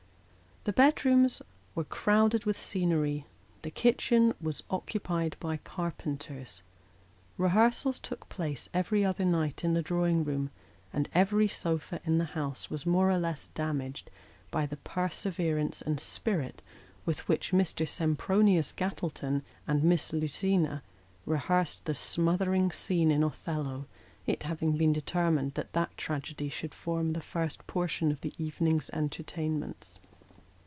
The bedrooms were crowded with scenery, the kitchen was occupied by carpenters. Rehearsals took place every other night in the drawing room, and every sofa in the house was more or less damaged by the perseverance and spirit with which Mr. Sempronius Gattleton, and Miss Lucina, rehearsed the smothering scene in "Othello" it having been determined that that tragedy should form the first portion of the evening's entertainments.